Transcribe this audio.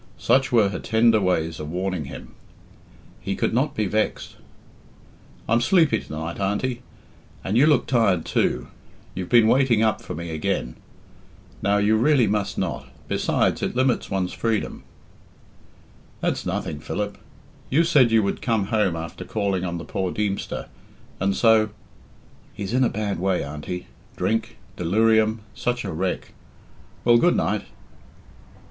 Such were her tender ways of warning him. He could not be vexed. "I'm sleepy to night, Auntie, and you look tired too. You've been waiting up for me again. Now, you really must not. Besides, it limits one's freedom." "That's nothing, Philip. You said you would come home after calling on the poor Deemster, and so " "He's in a bad way, Auntie. Drink delirium such a wreck. Well, good night!"